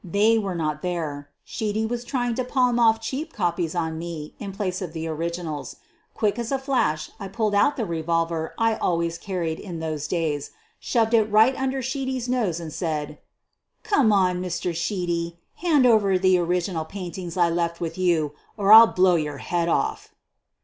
They were not there — Sheedy was trying to palm off cheap copies on me in place of the originals. Quick as a flash, I pulled out the revolver I always carried in those days ; shoved it right under Sheedy 's nose, and said: "Come, Mr. Sheedy — hand over the original paintings I left with you, or I'll blow your head off!"